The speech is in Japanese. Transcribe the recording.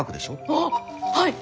ああはい！